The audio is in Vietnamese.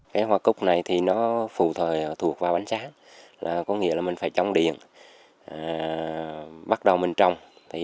cái hoa cúc này thì nó phù thời thuộc vào bánh sáng là có nghĩa là mình phải trồng điện bắt đầu mình trồng